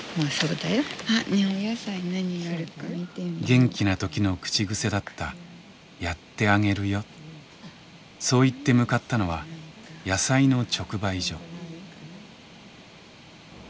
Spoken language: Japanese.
元気な時の口癖だったそう言って向かったのは野菜の直売所。